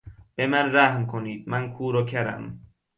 به من رحم کنید; من کور و کرم.